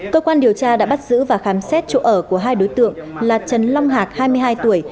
cơ quan điều tra đã bắt giữ và khám xét chỗ ở của hai đối tượng là trần long hạc hai mươi hai tuổi